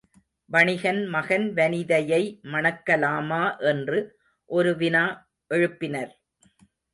வணிகன் மகன் வனிதையை மணக்கலாமா என்று ஒரு வினா எழுப்பினர்.